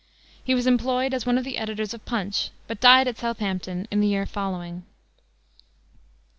He was employed as one of the editors of Punch, but died at Southampton in the year following.